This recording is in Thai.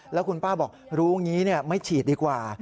แล้วคุณป้าบอกรู้อย่างนี้ไม่ฉีดดีกว่า